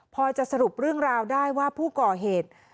พอจะสรุปเรื่องราวได้ว่าผู้ก่อเหตุ